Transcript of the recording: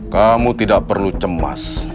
kamu tidak perlu cemas